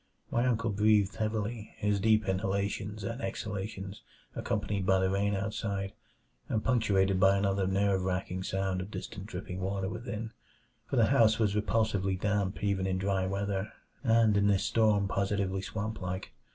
My uncle breathed heavily, his deep inhalations and exhalations accompanied by the rain outside, and punctuated by another nerve racking sound of distant dripping water within for the house was repulsively damp even in dry weather, and in this storm positively swamp like.